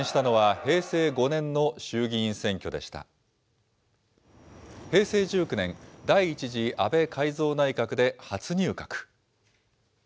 平成１９年、第１次安倍改造内閣で初入閣。